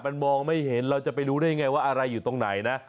มันมองไม่เห็นเราจะไปรู้ได้ยังไงว่าอะไรอยู่ตรงไหนนะ